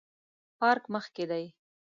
پارک مخ کې دی